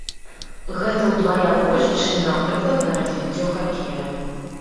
Гэта ўдвая больш, чым, напрыклад, на развіццё хакея.